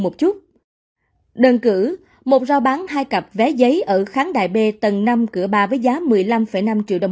một chút đơn cử một rau bán hai cặp vé giấy ở kháng đại b tầng năm cửa ba với giá một mươi năm năm triệu đồng